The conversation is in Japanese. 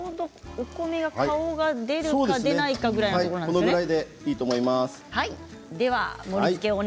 お米の顔が出るか出ないかぐらいなんですね。